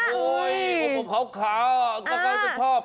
โอ้โฮเขาขาวก็ค่อยจะชอบ